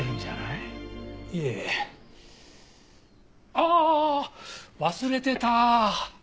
ああー忘れてた！